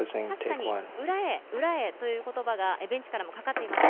裏へ裏へという言葉がベンチからもかかっています。